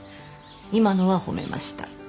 今のは褒めました。